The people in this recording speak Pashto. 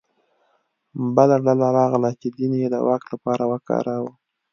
بله ډله راغله چې دین یې د واک لپاره وکاروه